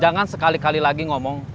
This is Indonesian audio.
jangan sekali kali lagi ngomong